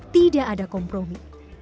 tidak ada kompromi